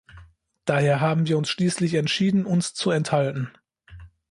Daher haben wir uns schließlich entschieden, uns zu enthalten.